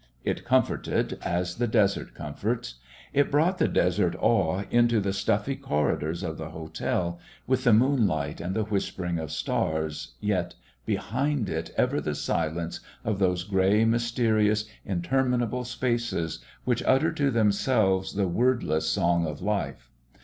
It comforted, as the desert comforts. It brought the desert awe into the stuffy corridors of the hotel, with the moonlight and the whispering of stars, yet behind it ever the silence of those grey, mysterious, interminable spaces which utter to themselves the wordless song of life.